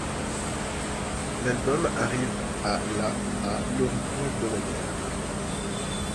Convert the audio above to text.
L'album arrive à la à L'Oricon hebdomadaire.